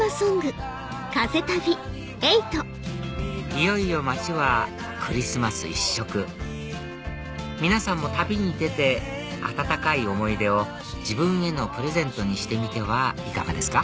いよいよ街はクリスマス一色皆さんも旅に出て温かい思い出を自分へのプレゼントにしてみてはいかがですか？